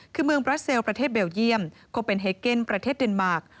คือเมืองบราเซลประเทศเบลเยี่ยมก็เป็นเฮเกนประเทศเดนมาร์ค